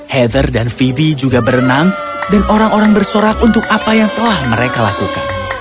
heather dan phoebe juga berenang dan orang orang bersorak untuk apa yang telah mereka lakukan